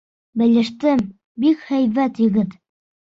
Белештем, бик һәйбәт егет.